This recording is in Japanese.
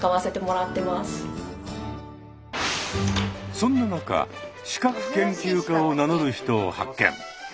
そんな中資格研究家を名乗る人を発見。